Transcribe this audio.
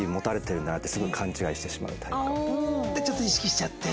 でちょっと意識しちゃって？